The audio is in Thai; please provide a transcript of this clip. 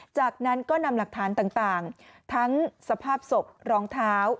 จากนั้นก็นำหลักฐานต่างทั้งสภาพศพรองเท้า